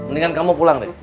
tuh mendingan kamu pulang deh